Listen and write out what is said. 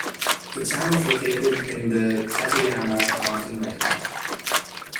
The town is located in the Tateyama Mountain Range.